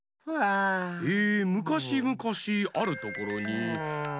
「むかしむかしあるところにいかした」。